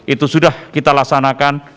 itu sudah kita laksanakan